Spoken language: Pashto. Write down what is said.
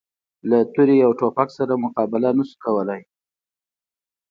له تورې او توپک سره مقابله نه شو کولای.